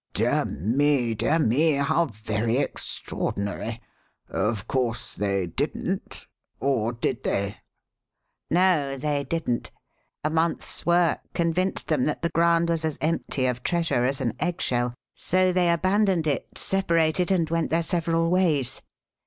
"Dear me, dear me, how very extraordinary! Of course they didn't? Or did they?" "No, they didn't. A month's work convinced them that the ground was as empty of treasure as an eggshell, so they abandoned it, separated, and went their several ways.